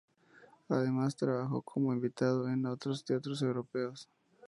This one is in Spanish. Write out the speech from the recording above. Además, trabajó como invitado en otros teatros europeos.